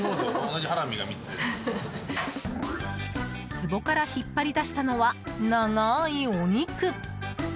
つぼから引っ張り出したのは長いお肉。